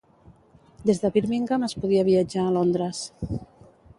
Des de Birmingham es podia viatjar a Londres.